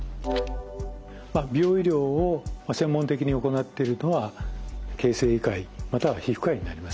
美容医療を専門的に行ってるのは形成外科医または皮膚科医になります。